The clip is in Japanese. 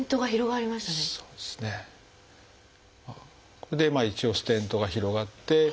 これで一応ステントが広がって。